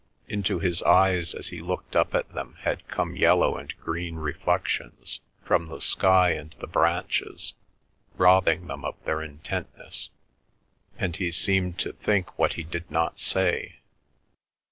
Into his eyes as he looked up at them had come yellow and green reflections from the sky and the branches, robbing them of their intentness, and he seemed to think what he did not say.